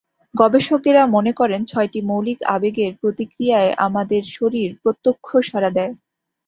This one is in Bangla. গবেষকেরা মনে করেন, ছয়টি মৌলিক আবেগের প্রতিক্রিয়ায় আমাদের শরীর প্রত্যক্ষ সাড়া দেয়।